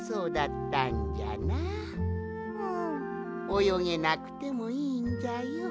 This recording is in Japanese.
およげなくてもいいんじゃよ。